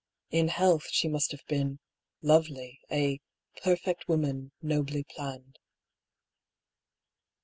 In health she must have been — ^lovely, a " perfect woman, nobly planned."